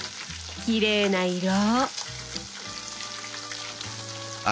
きれいな色。